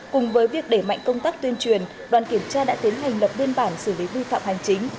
cùng với việc đẩy mạnh công tác tuyên truyền đoàn kiểm tra đã tiến hành lập biên bản xử lý vi phạm hành chính